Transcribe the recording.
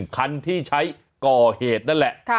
คันที่ใช้ก่อเหตุนั่นแหละ